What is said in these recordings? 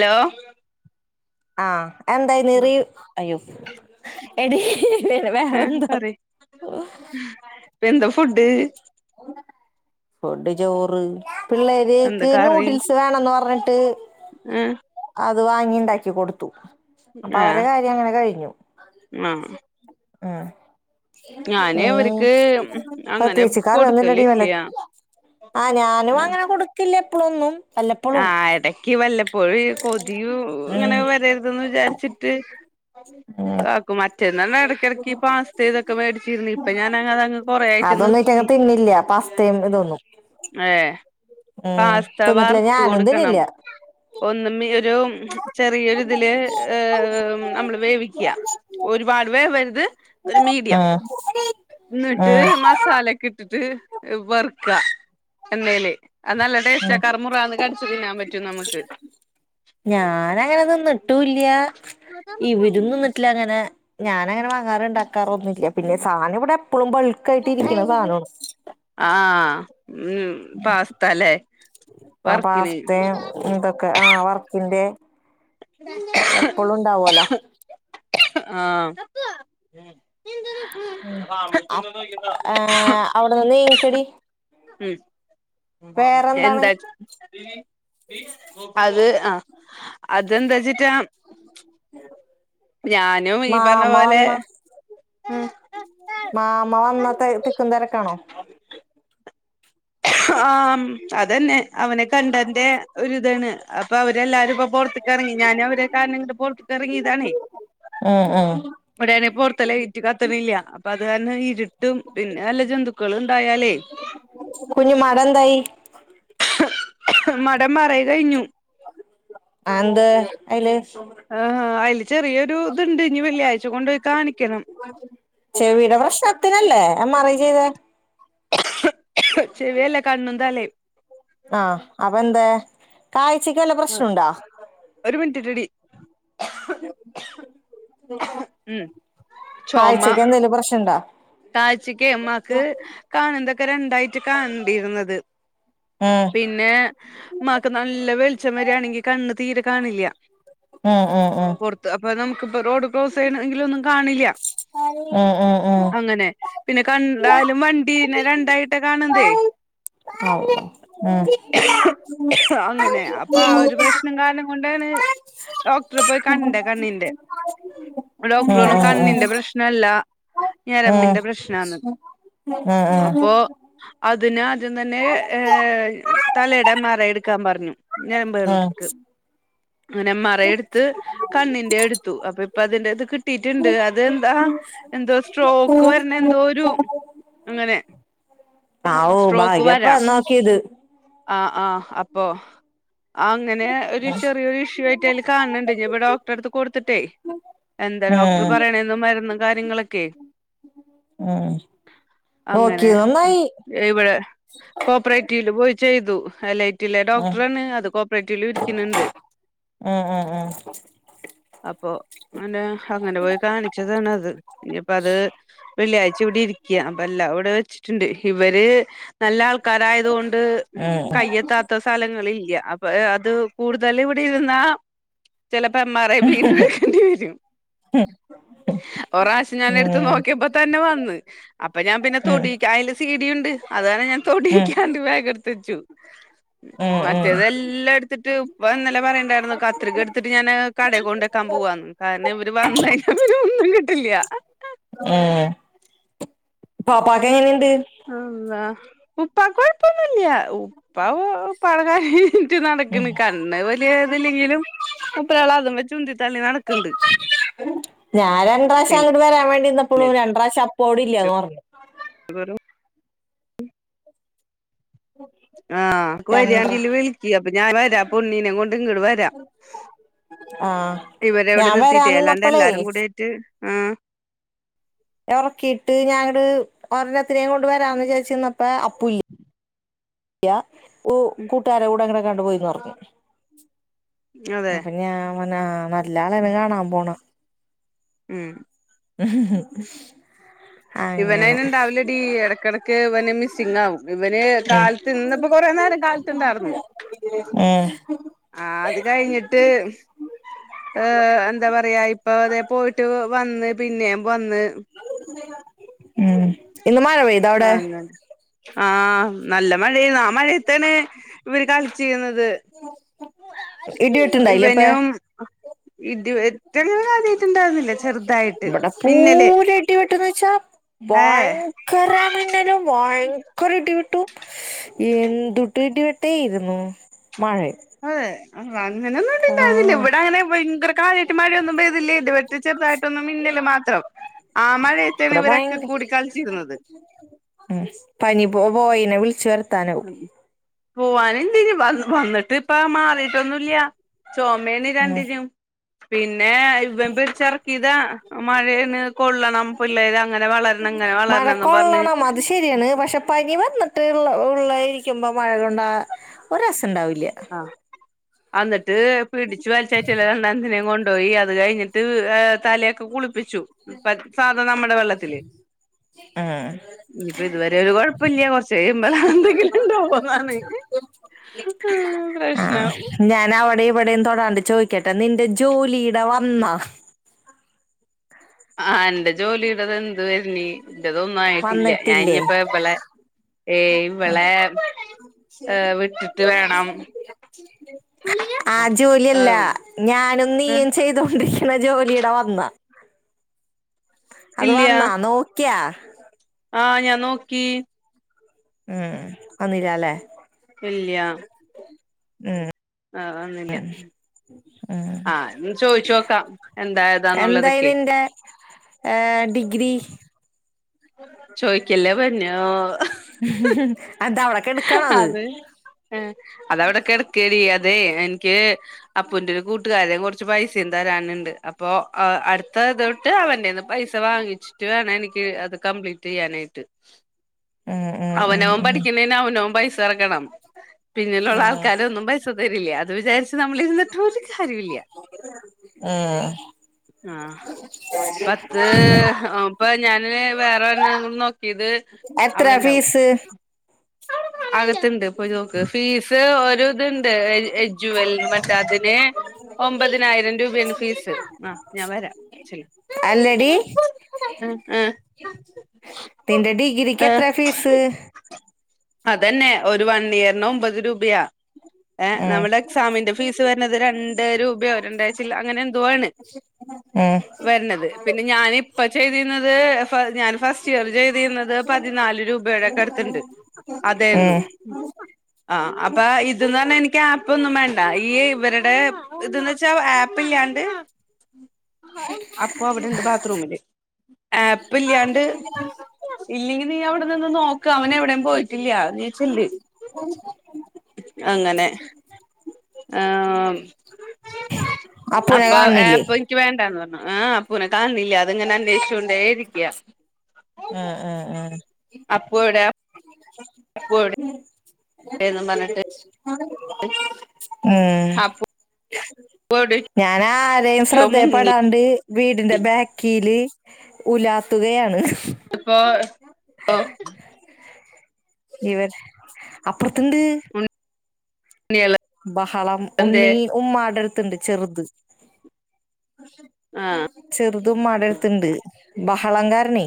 Law ആ എന്തായി നിറി അയ്യോ. എടി വേറെ ആ വേറെന്തോ? പിന്നെന്താ ഫുഡ്? ഫുഡ് ചോറ്. എന്താ പിള്ളേര്ക്ക് കറി നൂഡിൽസ് വേണംന്ന് പറഞ്ഞിട്ട് അത് ആ അത് വാങ്ങി ഉണ്ടാക്കി കൊടുത്തു. അപ്പൊ ആ അവരെ കാര്യം അങ്ങനെ കഴിഞ്ഞു. ആ ആ ഞാന് ഇവർക്ക് അങ്ങനെ പ്രത്യേകിച്ച് കറിയൊന്നുല്ലടി വല്ല കൊടുക്കലില്ല്യ ആഹ് ഞാനും അങ്ങനെ കൊടുക്കില്ല എപ്പളൊന്നും വല്ലപ്പളും ആ ഇടക്ക് വല്ലപ്പോഴും കൊതിയും ഇങ്ങനെ ഉം വരരുതന്ന് വിചാരിച്ചിട്ട് ഉം ത്തിട് വാക്ക്മാറ്റും ചെന്ന ഇടക്കിടയ്ക്ക് ഈ പാസ്ത ഇതൊക്കെ മേടിച്ചിരുന്നു ഇപ്പ ഞാനങ്ങ് അങ്ങ് കൊറേ ആയിട്ട് അതൊന്നും ഇറ്റങ്ങ നിർത്തി. തിന്നില്ല പാസ്തയും ഇതൊന്നും ഉം തിന്നിട്ടില്ല ഞാനുംതിന്നില്ല. ഒന്നും ഒരു ചെറിയൊരിതില് ഏ നമ്മള് വേവിക്ക്യ ഒരുപാട് വേവരുത് ഒരു മീഡിയം. ഉം എന്നിട്ട് ഉം മസാല ഒക്കെ ഇട്ടിട്ട് നിട്ട് വർക്ക എണ്ണയിൽ അത് നല്ല ടേസ്റ്റ് ഉം കറമുറാന്ന് കടിച്ചച്ച് തിന്നാൻ പറ്റും നമുക്ക് ഞാന അങ്ങനെത്ന്നിട്ടൂല്ല ഇവരും തിന്നിട്ടില്ല അങ്ങനെ. ഞാനൻങ്ങന വാങ്ങാറുണ്ടാ. കാറുന്നില്ല. പിന്നെ സാധനം ഇവിടെ എപ്പഴും ബൾക്ക് ആയിട്ട് ഇരിക്കണ സാധനമാണ്. ആഹ് ഉം പാസ്ത ല്ലേ ആ പാസ്തയും തൊക്കെ ആ വർക്കിന്റെ എപ്പഴുംണ്ടാവുല. ആ ഉം അവിടെ നിന്ന് നീക്കടി ഉം എന്താ അത് ആ അതെന്താച്ച ഉ ഞാനും ഈ പറഞ്ഞ പോലെ മാമ്മ വന്ന തിക്കും തിരക്കാണോ ഉ ആ അതന്നെ അവനെ കണ്ടന്റെ ഒരിതാണ് അപ്പൊ അവരെല്ലാരും ഇപ്പൊ പുറത്തക്ക ഇറങ്ങി ഞാനൻ അവരെ കാരണങ്ങ പുറത്തക്ക് ഇറങ്ങിയതാണേ ആം ഇവിടാണെ പൊറത്തെ ലൈറ്റ് കത്തനില്ല അത് കാരണം ഇരുട്ടും പിന്നെ നല്ല ജന്തുക്കളും ഇണ്ടായാലേ [unintelligible] മടം [unintelligible] കഴിഞ്ഞു [unintelligible] അയ്ല് ആഹ അതില് ചെറിയൊരു ഇതുണ്ട് ഇനി വെള്ളിയാഴ്ച കൊണ്ട് പോയി കാണിക്കണം ചെവിയുടെ പ്രശ്നത്തിനല്ലേ എം ആർ ഐ ചെയ്തേ ചെവിയല്ല കണ്ണും തലേം ആഹ അപ്പ എന്താ കാഴ്ചയ്ക്ക് വെല്ല പ്രശ്നുണ്ടോ [unintelligible] ഉം കാഴ്ചക്ക് എന്തെലും പ്രശ്നം ഇണ്ടോ കാഴ്ച്ചക്ക് ഉമ്മാക്ക് കാണതൊക്കെ രണ്ടായിട്ട് കാണണ്ടിരുന്നത് ഉം പിന്നെ ഉമ്മാക്ക് നല്ല വെളിച്ചം വരിയാണെങ്കി കണ്ണ് തീരെ കാണില്ല ആഹ ആഹ ആഹ ഇപ്പൊ റോഡ് ക്രോസ് ചെയ്യണെങ്കിലും ഒന്നും കാണില്ല ഉം ഉം ഉം ഉം [unintelligible] പിന്നെ കണ്ടാലും വണ്ടീനെ രണ്ടായിട്ടാ കാണണ്തേ ഉം അങ്ങനെ അപ്പൊ ആ ഒരു പ്രശ്നം കാരണം കൊണ്ടാണ് ഡോക്ടറെ പോയി കണ്ടെ കണ്ണിന്റെ ഉം ഡോക്ടറ് പറഞ്ഞു ഉം കണ്ണിന്റെ ഉം പ്രശ്നല്ല ഞരമ്പിന്റെ പ്രശ്നാന്ന് ആഹ് ആഹ് അപ്പൊ അതിന് ആദ്യം തന്നെ ഏ തലയുടെ എം ആർ ഐ എടുക്കാൻ പറഞ്ഞു ഞര അങ്ങനെ എം ആർ ഐ എടുത്ത് കണ്ണിന്റെ എടുത്തു അപ്പൊ ഇപ്പ അതിന്റെ അത് കിട്ടിട്ടുണ്ട് അത് എന്താ എന്തോ സ്ട്രോക്ക് വരണ എന്തോ ഒരു അങ്ങനെ ഹാവു ഭാഗ്യപ്പ നോക്കിയത് ആഹ ആഹ അപ്പൊ അങ്ങനെ ഒരു ചെറിയൊരു ഇഷ്യു ആയിട്ട് അതിൽ കാണണ്ട് ഇനിയിപ്പോ ഡോക്ടർ അടുത്ത് കൊടുത്തിട്ടേ എന്താ ഡോക്ടർ ഉം പറയണന്ന് മരുന്നും കാര്യങ്ങളൊക്കെ ഉം ഉം അങ്ങനെ നോക്കിയത് നന്നായി ഇവിടെ കോപ്പറേറ്റീവില് പോയി ചെയ്തു [unintelligible] [unintelligible] ഉം ഡോക്ടറണ് അത് കോപ്പറേറ്റീവില് ഇരിക്കുന്നുണ്ട് ആ അപ്പൊ [unintelligible] അങ്ങനെ പോയി കാണിച്ചതാണ് അത് ഇനിയിപ്പോ അത് വെള്ളിയാഴ്ച കൂടി ഇരിക്കുക അപ്പല്ല അവിടെ [unintelligible] ണ്ട് ഇവര് നല്ല ആൾക്കാരായത് കൊണ്ട് ഉം കയ്യെത്താത്ത സ്ഥല ല്ല അപ്പ അത് കൂടുതൽ ഇവിടെ ഇരുന്ന ചിലപ്പോ എം ആർ ഐ വീണ്ടും എടുക്കേണ്ടി വരും ഉ ഒറാശ്യം ഞാൻ എടുത്ത് നോക്കിയപ്പോ തന്നെ വന്ന് അപ്പൊ ഞാൻ പിന്നെ തൊടിക്ക അതില് സീടിയുണ്ട് അതാണ് ഞാൻ ഉം തൊടികണ്ട് ബാഗ് എടുത്ത വച്ചു ഉം ഉം മറ്റേതെല്ലാം എടുത്തിട്ട് ഇപ്പ ഇന്നലെ പറയണ്ടായിരുന്നു കത്രിക എടുത്തിട്ട് ഞാൻ കടെ കൊണ്ടക്കാ പോവാൻ കാരണം ഇവര് വന്ന് കഴിഞ്ഞ പിന്നെ ഒന്നും കിട്ടില്ല ഉം പാപ്പാക്ക് എങ്ങനെയുണ്ട് ഉം ഉപ്പാക്ക് കൊഴപ്പോന്നുല്ല്യാ ഉപ്പ [unintelligible] എണീറ്റ് നടക്കണ് കണ്ണ് വലിയ ഇതില്ലെങ്കിലും മൂപ്പരാൾ അതും വെച്ചുന്തിത്തള്ളി നടക്കണ്ട് ഞാൻ രണ്ട്രാശ്യം പിന്നെ അങ്ങട്ട് വരാൻ വേണ്ടി നിന്നപ്പോളും രണ്ട്രാശ്യം അപ്പു അവിടെ ഇല്ല്യാന്ന് പറഞ്ഞു [unintelligible] ആഹ് [unintelligible] രണ്ട് വരിയാങ്കില് വിളിക്ക്‌ അപ്പൊ ഞാൻ വരാം അപ്പോ ഉണ്ണീനെ കൊണ്ട് ഇങ്ങട് വരാം ആ ഞാൻ വരാൻ നിന്നപ്പളേ ഉം ഒറക്കീട്ട് ഞനങ്ങട് ഒരെണ്ണത്തിനേയും കൊണ്ട് വരാന്ന് വിചാരിച്ചിന്നപ്പ അപ്പുല്ല് യാ ഊ കൂട്ടുകാരെ കൂടെ എങ്ങടങ്ങാണ്ട് പോയീന്ന് പറഞ്ഞു അതെ അപ്പൊ ഞാൻ വന്ന് ആ നല്ല ആളെയാണ് കാണാൻ പോണ ഉം ഹ് ഹ് ഇവനയിന് ഉണ്ടാവില്ലടി ഇടക്കിടയ്ക്ക് ഇവനെ മിസ്സിംഗ് ആവും ഇവന് ഉം കാലത്ത് ഇന്നിപ്പോ കൊറെ ഇത്രെയും നേരം കാലത്തുണ്ടായിരുന്നു ആഹ് അത് ഉം കഴിഞ്ഞിട്ട് ഏഹ് എന്താ പറയാ ഇപ്പൊ ദേ പോയിട്ട് വ ന്നേ പിന്നേം വന്ന് ഉം ഇന്ന് മഴ പെയ്താ അവിടെ അങ്ങനെ ആഹ് നല്ല മഴയാന്നു ആ മഴയത്താണ് ഇവര് കളിച്ചിരുന്നത് ഇടി വെട്ടുണ്ടായില്ലേ അപ്പ ഇവനും ഇടിയും എത്ര കാര്യായിട്ടുണ്ടാരുന്നില്ല ചെറുതായിട്ട് ഇവിടെ മിന്നല് പൂര ഇടി വെട്ടന്ന് വെച്ചാ ഏഹ് ഭയങ്കര മിന്നലും വയ ക്കൊര് ഇടിവെട്ടും എന്തുട്ട് ഇടി വിട്ടേയിരുന്നു മഴ ആഹ് അങ്ങനൊന്നും ഇവിടുണ്ടായിരുന്നില്ല്യ ആഹ് ഇവിടെ അങ്ങനെ ഭയങ്കര കാര്യായിട്ട് മഴയൊന്നും പെയ്തില്ലേ ഇടി വെട്ട് ചെറുതായിട്ടൊന്ന് മിന്നല് മാത്രം ആ മഴയത്താണ് ഇവരൊക്കെ കൂടി കളിച്ചിരുന്നത് [unintelligible] ച്ച് വരുത്താനോ പോവനെന്തിന് വ വന്നിട്ട് ഇപ്പ മാറിട്ടൊന്നു ഇല്ല്യ ചൊമയാണ് ഉം രണ്ടിനും പിൻ ന്നെ ഇവൻ പിടിച്ചിറക്കിയതാ മഴേന് കൊള്ളണം പുള്ളേര് അങ്ങനെ വളരണം ഇങ്ങനെ വളര മഴക്കൊള്ളണം അത് ശരിയാണ് പക്ഷെ പനി വന്നിട്ട് ഉള്ളായിരിക്കുമ്പോ മഴ കൊണ്ടാ ഒരസ ണ്ടാവില്ല്യ അന്നിട്ട് പിടിച്ചു വലിച്ചേറ്റില രണ്ടെണ്ണത്തിനെയും കൊണ്ടുപോയി അത് കഴിഞ്ഞിട്ട് തലയൊക്കെ കുളി പ്പിച്ചു സാധ നമ്മുടെ വെള്ളത്തില് ഉം ഇനിയിപ്പൊ ഇതുവരെ ഒരു കൊഴപ്പില്ല്യ കൊറച്ച് കഴിയുമ്പോളാ എന്തെങ്കിലും ഉണ്ടാവൻ പോന്നാണ് ആ ഞാൻ അവിടെയും ഇവിടെയും തൊടാണ്ട് ചോദിക്കട്ടെ നിന്റെ ജോലി ടെ വന്നാ ആ എന്റ ജോലിയടത് എന്താര്ന്ന് എന്റതൊന്നും ആയിട്ടില്ല ഞാൻ വന്നിട്ടില്ലേ ഇനിയിപ്പോ ഇവളെ ഏ ഇവളെ ഏ വിട്ടിട്ട് വേണം ആ ആ ജോലിയല്ല ഞാനും നീയും ചെയ്തോണ്ടിരിക്കുന്ന ക്കണ ജോലിയടെ വന്ന അത് ഇല്ല വന്നാ നോക്കിയാ ആ ഞാൻ നോക്കി ഉം ഇല്ല്യ ഉം ആഹ് വന്നില്ല ആഹ് ഇന്ന് ചോദിച്ച് നോക്കാം എന്തായേതാന്നുള്ളതൊക്കെ ആഹ് ഡിഗ്രി ചോയിക്കല്ലേ പറഞ്ഞോ എന്താ അവിടക്കെ എടുക്കണോ അത് അതവിടക്കെടക്കാണ് അതെ എനിക്ക് അപ്പൂന്റെ ഒരു കൂട്ടുകാരൻ കൊ റച്ച് പൈസയും തരാനുണ്ട് അപ്പോ അടുത്തതൊട്ട് അവന്റെന്ന് പൈസ വാങ്ങിച്ചിട്ട് വേണം എനിക്ക് അത് കംപ്ലീറ്റ് ചെയ്യാനായിട്ട് ഉം ഉം ഉം അവനവൻ ഉം പഠിക്കുന്നേന് അവനവൻ പൈസ ഇറക്കണം പിന്നിലുള്ള ഉം ആൾക്കാരെ ഒന്നും പൈസ തരില്ല അത് വിചാരിച്ച് പക്ഷെ നമ്മളിരുന്നിട്ട് കാര്യോല്യ ഉം ആഹ് പത്ത് ഇപ്പൊ ഞാന് വേറെ നോക്കിയത് എത്ര അവിടെണ്ടാവും ഫീസ് അകത്ത്ണ്ട് പോയി നോക്ക് ഫീസ് ഓരോ ഇതുണ്ട് എജ്യൂ എൽ മറ്റേ അതിന് ഒമ്പതിനായിരം രൂപ അല്ലടി നിന്റെ ഡിഗ്രിക്ക് ആ എത്ര ഫീസ് അതന്നെ ഒരു വണ്ണിയറിന് ഒമ്പത് രൂപയാ ഏ ഉം നമ്മുടെ എക്സാമിന്റെ ഫീസ് വരുന്നത് രണ്ടായിരം രൂപയോ രണ്ടാഴ്ച അങ്ങനെ എന്തുവാണ് ഉ വരണത് പിന്നെ ഞാന് ഇപ്പൊ ചെയ്തിരുന്നത് ഞാൻ ഫസ്റ്റ് ഇയർ ചെയ്തിരുന്നത് പതിനാല് രൂപയുടെയൊക്കെ അടുത്തുണ്ട് അതെരുന്നു ഉം ആ അപ്പൊ ഇത് തന്നെ എനിക്ക് ആപ്പ് ഒന്നും വേണ്ട ഈ ഇവരുടെ ഇതന്ന് വെച്ചാ ആപ്പ് ഇല്ലാണ്ട് അപ്പൊ അവിടെണ്ട് ബാത്ത്റൂമില് ആപ്പ ഇല്ലാണ്ട് ഇല്ലെങ്കി നീ അവിടെ നിന്ന് നോക്ക അവന എവിടെും പോയി ട്ടില്ല നീ ചെല്ല് അങ്ങനെ ആ അപ്പുനെ അപ്പൊ കാണില്ലേ പ്പ എനിക്ക് വേണ്ടന്ന് പറ ആഹ അപ്പൂനെ കാണുന്നില്ല അത്ങ്ങനെ അന്വേഷ കൊണ്ട എഴിക്കയാ ആ ഉ ഉഹ അപ്പു എവിടെ എവർഡ് വ [unintelligible] [unintelligible] അപ്പു ഉം എവിടേക്കോ ഞാൻ ആരെയും മുങ്ങി ശ്രദ്ധയപ്പെടാണ്ട് വീടിന്റെ ബാക്കിൽ ഉലാത്തുകയാണ് ഇപ്പൊ ഇവര് അപ്പറത്ത്ണ്ട് ഉണ്ണിയേള് ബഹളം എന്തേ ഉണ്ണി ഉമ്മാടെടുത്തണ്ട് ചെറുത് ആഹ് ചെറുതും ഉമ്മാടടുത്തിണ്ട് ബഹളം കാരണേ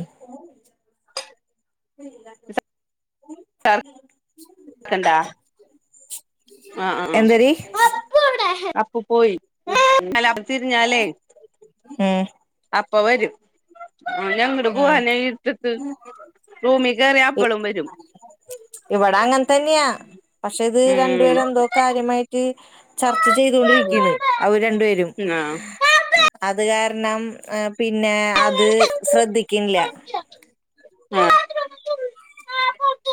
ക്കണ്ടാ ആഹ എന്തരി ആ അപ്പു പോയി അല തിരിഞ്ഞാലേ ഉം അപ്പ വരും ഓൻ എങ്ങട് ഉം പോവാനെ ഇര്ട്ടത്ത് റൂമിൽ കയറിയ അപ്പളും വരും ഇവിടെ അങ്ങനെ തന്നെയാ പക്ഷേ ഇത് രണ്ടു പേരെ ഉം എന്തോ കാര്യമായിട്ട് ചർച്ച ചെയ്തൊണ്ടിരിക്കാണ് അവര് രണ്ടുപേരും ആഹ് അത് കാരണം കാരണം പിന്നെ അത് ശ്രദ്ധിക്കില്ല ആഹ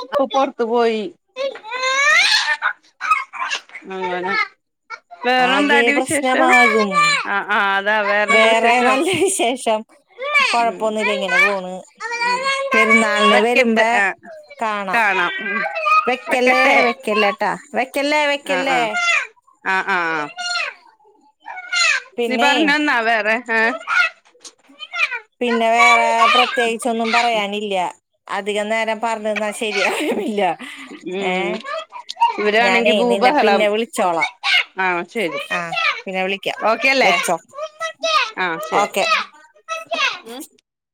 ഇപ്പ പൊറത്തു പോയി. [unintelligible] അങ്ങനെ [inaudible] ആകെ വേറെന്താടി വിശേഷം പ്രശ്നമാകും ആഹ് ആഹ് അതാ വേറെന്താ വേറെ വിശേഷം നല്ല വിശേഷം. ഉം കൊഴപ്പൊന്നുല്ല ഇങ്ങനെ പോണ്. ഉം പെരുന്നാളിന് വെക്കട്ടെ വരുമ്പോ ആ കാണാം. വെക്കലേ വെക്കട്ടെ വെക്കലേ ട്ടാ വെക്കല്ലേ വെക്കല്ലേ. ആഹ് ആഹ നീ പിന്നെ പറഞ്ഞോന്നാ വേറെ? ആഹ പിന്നെ വേറെ പ്രത്യേകിച്ചൊന്നും പറയാനില്ല അധികം നേരം. പറഞ്ഞ്ന്നാൽ ശരി ആവുംല്ല ഏഹ ഉം ഇവരാണെങ്കി ഞാനേ നിന്നെ ഭൂബഹളം പിന്നെ വിളിച്ചോളാം. ആ ശരി ആഹ പിന്നെ വിളിക്കാം ഓക്കെല്ലേ വെച്ചോ ആ ശരി ഓക്കെ. ഉം [unintelligible]